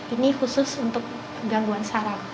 ini khusus untuk gangguan saraf